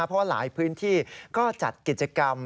เพราะว่าหลายพื้นที่ก็จัดกิจกรรม